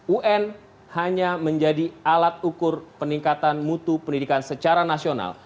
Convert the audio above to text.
un hanya menjadi alat ukur peningkatan mutu pendidikan secara nasional